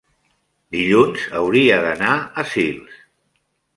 dilluns hauria d'anar a Sils.